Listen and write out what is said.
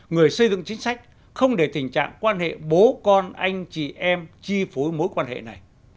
người xây dựng chính sách không để tình trạng quan hệ bố con anh chị em chi phối mối quan hệ này